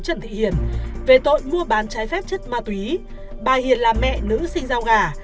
trần thị hiền về tội mua bán trái phép chất ma túy bà hiền là mẹ nữ sinh giao gà